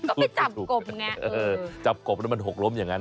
ก็ไปจับกบไงเออจับกบแล้วมันหกล้มอย่างนั้น